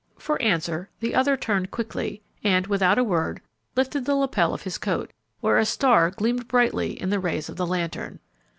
For answer, the other turned quickly, and, without a word, lifted the lapel of his coat, where a star gleamed brightly in the rays of the lantern.